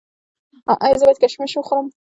ایا زه باید کشمش وخورم؟